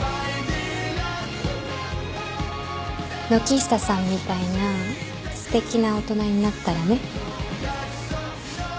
軒下さんみたいなすてきな大人になったらね。